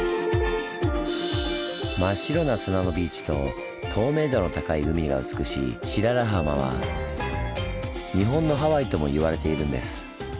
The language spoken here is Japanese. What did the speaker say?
真っ白な砂のビーチと透明度の高い海が美しい白良浜は「日本のハワイ」とも言われているんです。